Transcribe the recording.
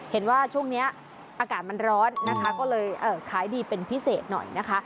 เห็นว่าช่วงนี้อากาศมันร้อนนะคะก็เลยขายดีเป็นพิเศษหน่อยนะคะ